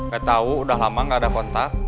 gak tau udah lama gak ada kontak